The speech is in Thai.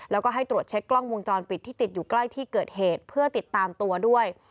แล้วก็ให้ตรวจเช็คกล้องวงจรปิดที่ติดอยู่ใกล้ที่เกิดเหตุเพื่อติดตามตัวด้วย